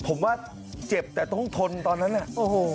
ผมว่าเจ็บแต่ต้องทนตอนนั้นน่ะโอ้โห